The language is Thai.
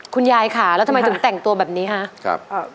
คุณยายค่ะแล้วทำไมถึงแต่งตัวแบบนี้ฮะ